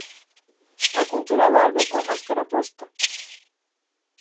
A cultura volve coa máscara posta.